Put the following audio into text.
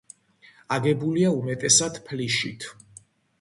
აგებულია უმეტესად ფლიშით.